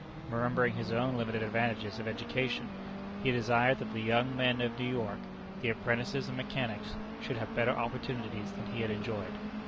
Remembering his own limited advantages of education, he desired that the young men of New York, the apprentices and mechanics, should have better opportunities than he had enjoyed.